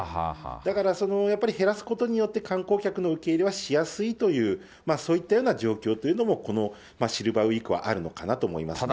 だからそのやっぱり、減らすことによって観光客の受け入れはしやすいという、そういったような状況というのもこのシルバーウイークはあるのかなと思いますね。